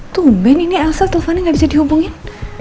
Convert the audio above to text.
tumben ini elsa teleponnya gak bisa dihubungin